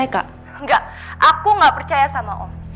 enggak aku nggak percaya sama om